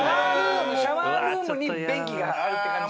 シャワールームに便器があるって感じ？